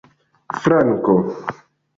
franko